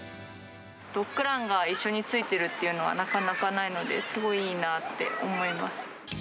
ドッグランが一緒に付いてるっていうのは、なかなかないので、すごいいいなって思います。